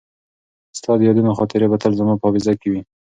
ستا د یادونو خاطرې به تل زما په حافظه کې وي.